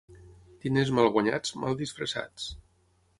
Diners mal guanyats, mal disfressats.